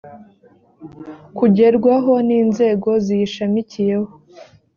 kugerwaho n inzego ziyishamikiyeho